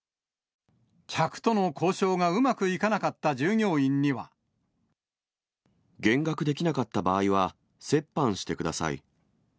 客との交渉がうまくいかなか減額できなかった場合は、折半してください。